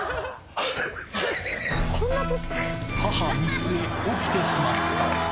母、光枝、起きてしまった。